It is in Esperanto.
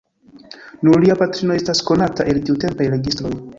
Nur lia patrino estas konata el tiutempaj registroj.